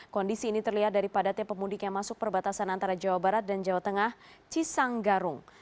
kondisi ini terlihat dari padatnya pemudik yang masuk perbatasan antara jawa barat dan jawa tengah cisanggarung